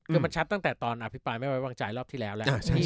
คือมันชัดตั้งแต่ตอนอภิปรายไม่ไว้วางใจรอบที่แล้วแล้ว